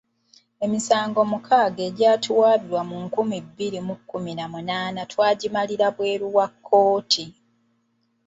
Emisango mukaaga egyatuwaabirwa mu nkumi bbiri mu kkumi na munaana twagimalira wabweru wa kkooti.